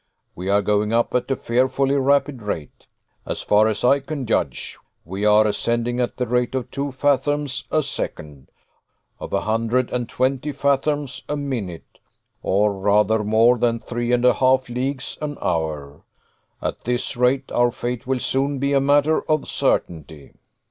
We are going up at a fearfully rapid rate. As far as I can judge, we are ascending at the rate of two fathoms a second, of a hundred and twenty fathoms a minute, or rather more than three and a half leagues an hour. At this rate, our fate will soon be a matter of certainty."